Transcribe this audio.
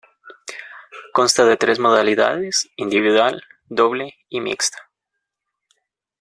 Consta de tres modalidades: individual, doble y mixta.